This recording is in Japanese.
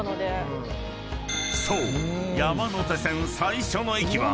［そう］